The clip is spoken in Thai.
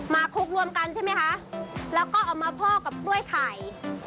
คลุกรวมกันใช่ไหมคะแล้วก็เอามาพ่อกับกล้วยไข่